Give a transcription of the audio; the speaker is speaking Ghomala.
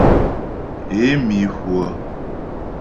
Ě mi hwə̂.